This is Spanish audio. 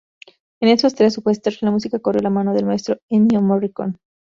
En estos tres westerns, la música corrió de la mano del maestro Ennio Morricone.